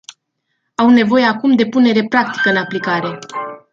Au nevoie acum de punere practică în aplicare.